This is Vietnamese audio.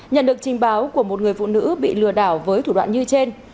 nhận được trình báo của một người phụ nữ bị lừa đảo với thủ đoạn như trên